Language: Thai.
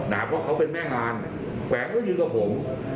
นะฮะเพราะเขาเป็นแม่งงานแขวงก็ยืนกับผม